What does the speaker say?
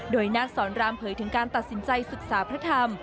โดยนาคสอนรามเผยถึงการตัดสินใจศึกษาพระธรรม